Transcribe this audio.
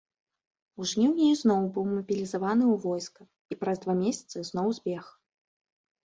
У жніўні ізноў быў мабілізаваны ў войска, і праз два месяцы зноў збег.